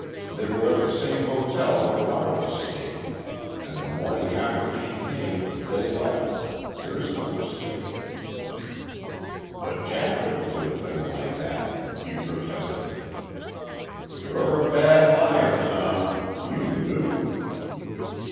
They were at the same hotel where Martha stayed. And the morning after she came, they left.... There's no mistake." "But Jack wouldn't do a thing like that," he protested. "You're a bad liar, Tom. You knew."